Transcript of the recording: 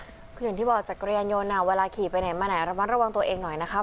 คืออย่างที่บอกจักรยานยนต์เวลาขี่ไปไหนมาไหนระมัดระวังตัวเองหน่อยนะคะ